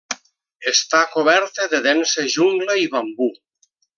Està coberta de densa jungla i bambú.